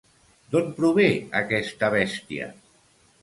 D'on prové aquesta bèstia?